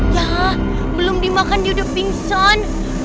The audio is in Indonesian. cak belum dimakan dia udah pingsan